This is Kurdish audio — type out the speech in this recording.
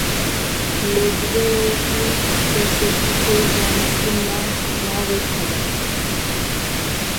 Lê divê wekî têgiheke zanistî navek hebe.